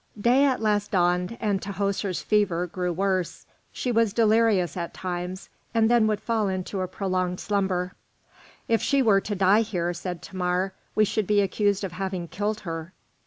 Day at last dawned, and Tahoser's fever grew worse. She was delirious at times, and then would fall into a prolonged slumber. "If she were to die here," said Thamar, "we should be accused of having killed her."